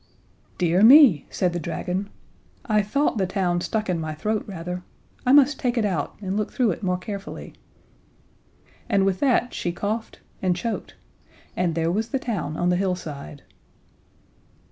"Dear me," said the dragon. "I thought the town stuck in my throat rather. I must take it out, and look through it more carefully." And with that she coughed and choked and there was the town, on the hillside.